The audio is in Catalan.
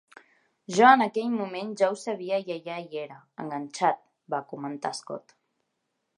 "Jo en aquell moment ja ho sabia i allà hi era, enganxat", va comentar Scott.